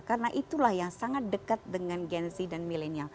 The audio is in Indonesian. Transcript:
karena itulah yang sangat dekat dengan gen z dan millennial